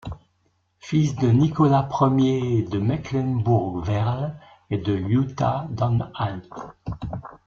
Fils de Nicolas I de Mecklembourg-Werle et de Jutta d'Anhalt.